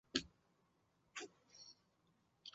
白腹黑啄木鸟为啄木鸟科黑啄木鸟属的鸟类。